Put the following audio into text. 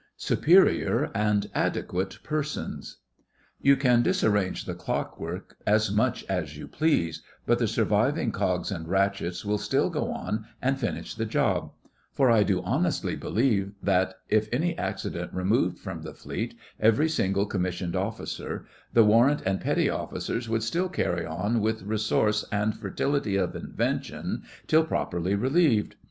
SUPERIOR AND ADEQUATE PERSONS You can disarrange the clockwork as much as you please, but the surviving cogs and rachets will still go on and finish the job; for I do honestly believe that, if any accident removed from the Fleet every single Commissioned Officer, the Warrant and Petty Officers would still carry on with resource and fertility of invention till properly relieved.